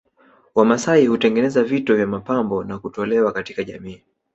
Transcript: Wamasai hutengeneza vito vya mapambo na kutolewa katika jamii